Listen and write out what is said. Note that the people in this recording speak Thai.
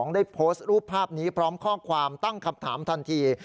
ได้โพสต์รูปภาพนี้พร้อมข้อความตั้งคำถามทันที